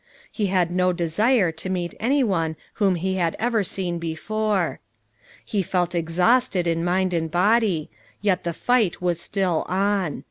He had no desire to meet any one whom he had ever seen before. He felt exhausted in mind and body, yet the fight was still on.